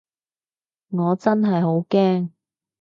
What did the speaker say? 我真係好驚